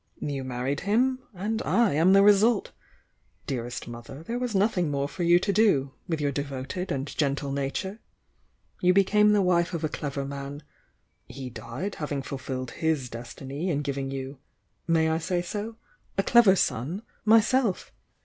— you married him,— and I am the result! Dea:o:=t mother there was nothing more for you ♦ di, with your devoted and gentle nature! You became the wife of a clever man,— he died, hav ing fulfilled his destiny in giving you— may I say so?— a clever son,— myself!